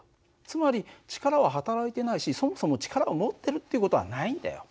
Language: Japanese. つまり力は働いてないしそもそも力を持ってるっていう事はないんだよ。